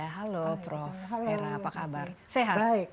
halo prof hera apa kabar sehat